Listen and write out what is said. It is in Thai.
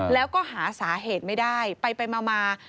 แล้วก็หาสาเหตุไม่ได้ไปมา